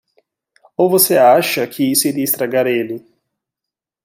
Ou você acha que isso iria estragar ele?